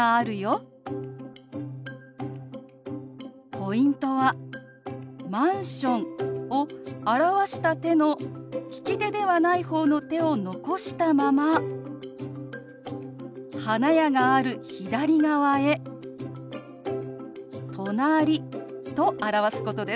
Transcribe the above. ポイントはマンションを表した手の利き手ではない方の手を残したまま花屋がある左側へ「隣」と表すことです。